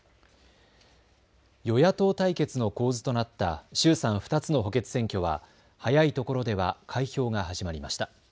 与野党対決の構図となった衆参２つの補欠選挙は早いところでは開票が始まりました。